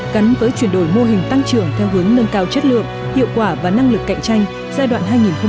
gắn với chuyển đổi mô hình tăng trưởng theo hướng nâng cao chất lượng hiệu quả và năng lực cạnh tranh giai đoạn hai nghìn một mươi tám hai nghìn hai mươi